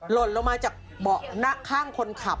หล่นลงมาจากเบาะหน้าข้างคนขับ